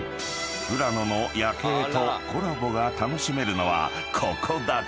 ［富良野の夜景とコラボが楽しめるのはここだけ］